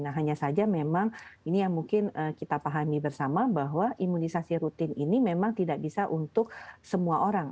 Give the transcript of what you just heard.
nah hanya saja memang ini yang mungkin kita pahami bersama bahwa imunisasi rutin ini memang tidak bisa untuk semua orang